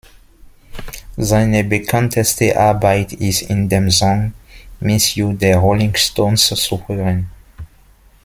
Seine bekannteste Arbeit ist in dem Song "Miss You" der Rolling Stones zu hören.